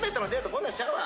こんなんちゃうわ。